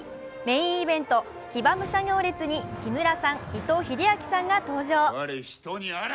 メーンイベント・騎馬武者行列に木村さん、伊藤英明さんが登場。